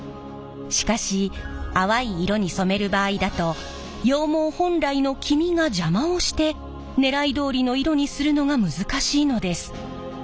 しかし淡い色に染める場合だと羊毛本来の黄みが邪魔をしてねらいどおりの色にするのが難しいのです。